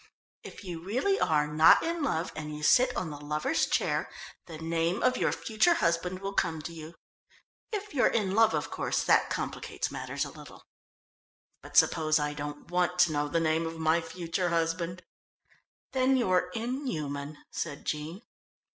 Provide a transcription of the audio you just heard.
"If you really are not in love and you sit on the Lovers' Chair, the name of your future husband will come to you. If you're in love, of course, that complicates matters a little." "But suppose I don't want to know the name of my future husband?" "Then you're inhuman," said Jean.